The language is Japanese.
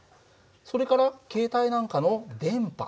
それから携帯なんかの電波。